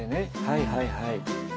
はいはいはい。